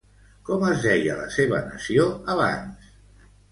Com es deia la seva nació abans?